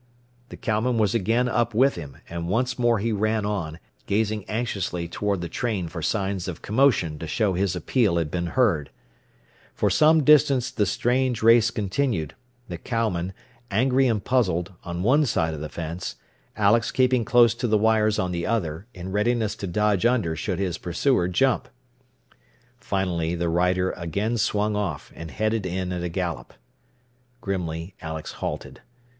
_" The cowman was again up with him, and once more he ran on, gazing anxiously toward the train for signs of commotion to show his appeal had been heard. For some distance the strange race continued, the cowman, angry and puzzled, on one side of the fence, Alex keeping close to the wires on the other, in readiness to dodge under should his pursuer jump. Finally the rider again swung off, and headed in at a gallop. Grimly Alex halted.